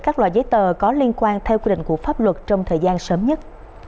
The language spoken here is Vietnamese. các loại giấy tờ có liên quan theo quy định của pháp luật trong thời gian sớm nhất